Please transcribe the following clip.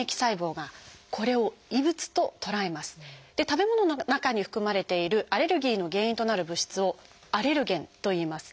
食べ物の中に含まれているアレルギーの原因となる物質を「アレルゲン」といいます。